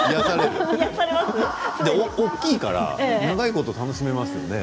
大きいから長いこと楽しめますよね。